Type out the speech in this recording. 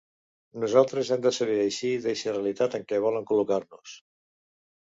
Nosaltres hem de saber eixir d’eixa realitat en què volen col·locar-nos.